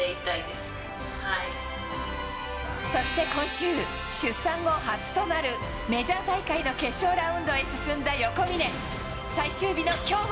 そして、今週、出産後初となるメジャー大会の決勝ラウンドへ進んだ横峯。